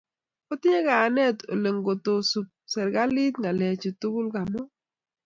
Otinye kayanet ole ngotkosub serkalit ngalechu tugul kamwa